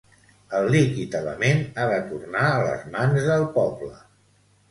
el líquid element ha de tornar a les mans del poble